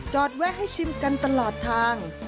แวะให้ชิมกันตลอดทาง